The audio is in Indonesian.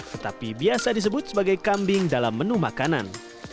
tetapi biasa disebut sebagai kambing dalam menu makanan